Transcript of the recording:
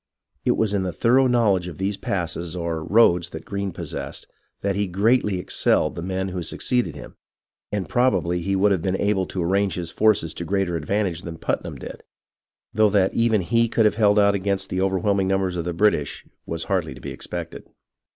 It was in the thorough knowledge of these passes or roads that Greene possessed, that he greatly, excelled the men who succeeded him, and probably he would have been able to arrange his forces to greater advantage than Putnam did, though that even he could have held out against the overwhelming numbers of the British was hardly to be expected.